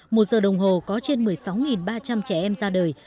một giờ đồng hồ có trên một mươi sáu ba trăm linh trẻ em ra đời